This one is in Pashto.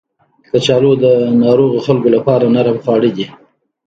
کچالو د ناروغو خلکو لپاره نرم خواړه دي